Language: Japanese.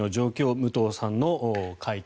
武藤さんの会見。